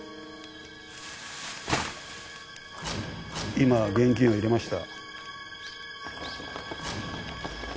今現金を入れました。